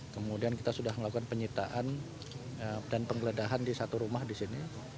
kemudian kita sudah melakukan penyitaan dan penggeledahan di satu rumah di sini